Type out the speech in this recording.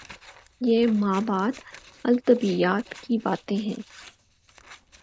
یہ مابعد الطبیعیات کی باتیں ہیں۔